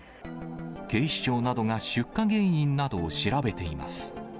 警視庁などが出火原因などを調べています。